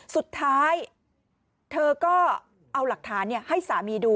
สุดท้ายเธอก็เอาหลักฐานให้สามีดู